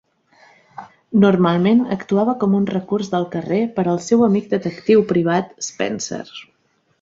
Normalment actuava com un recurs del carrer per al seu amic detectiu privat Spenser.